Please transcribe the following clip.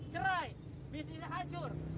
cerai bisnisnya hancur